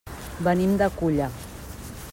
Venim de Culla.